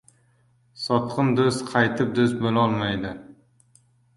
• Sotqin do‘st qaytib do‘st bo‘lolmaydi.